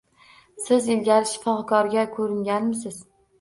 Siz ilgari shifokorga ko'ringanmisiz?